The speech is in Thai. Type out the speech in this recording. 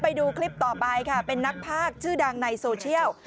ไปดูคลิปต่อไปค่ะเป็นนักภาคชื่อดังในโซเชียล